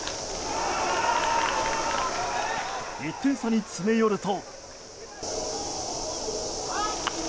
１点差に詰め寄ると。